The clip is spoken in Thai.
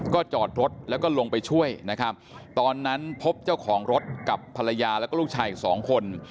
ก็จอดรถแล้วก็ลงไปช่วยนะครับตอนนั้นพบเจ้าของรถกับภรรยาแล้วก็ลูกชายอีกสองคน